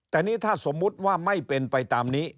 แต่นี่ถ้าสมมุติว่าไม่เป็นไปตามนี้